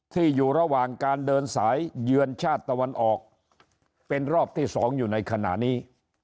อยู่ระหว่างการเดินสายเยือนชาติตะวันออกเป็นรอบที่๒อยู่ในขณะนี้